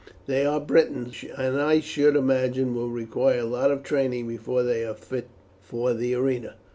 They are Britons, and I should imagine will require a lot of training before they are fit for the arena.